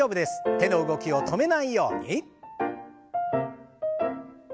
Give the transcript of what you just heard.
手の動きを止めないように。